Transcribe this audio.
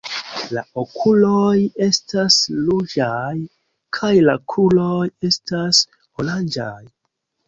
La okuloj estas ruĝaj kaj la kruroj estas oranĝaj.